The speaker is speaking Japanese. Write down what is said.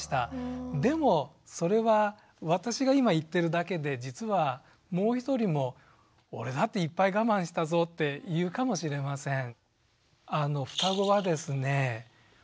でもそれは私が今言ってるだけで実はもう一人も「俺だっていっぱい我慢したぞ」って言うかもしれません。